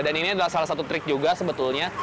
dan ini adalah salah satu trik juga sebetulnya